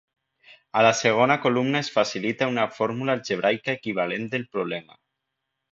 A la segona columna es facilita una fórmula algebraica equivalent del problema.